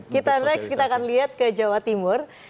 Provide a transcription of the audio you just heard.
kita next kita akan lihat ke jawa timur